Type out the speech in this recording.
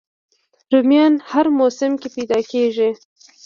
رومیان هر موسم کې پیدا کېږي